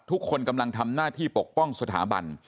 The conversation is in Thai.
ทุกคนทำหน้าที่ปกป้องสถาบัน